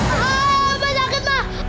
ah mampus mampus